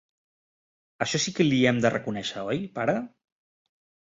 Això sí que l'hi hem de reconèixer, oi, pare?